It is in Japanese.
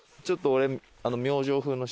ちょっと俺。